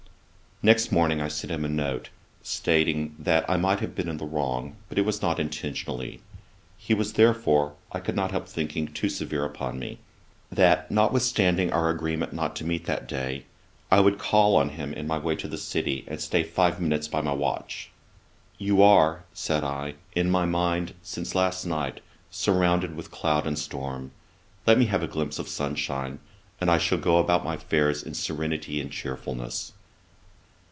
Next morning I sent him a note, stating, that I might have been in the wrong, but it was not intentionally; he was therefore, I could not help thinking, too severe upon me. That notwithstanding our agreement not to meet that day, I would call on him in my way to the city, and stay five minutes by my watch. 'You are, (said I,) in my mind, since last night, surrounded with cloud and storm. Let me have a glimpse of sunshine, and go about my affairs in serenity and chearfulness.'